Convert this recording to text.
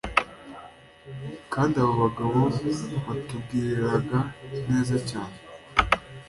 kandi abo bagabo batugiriraga neza cyane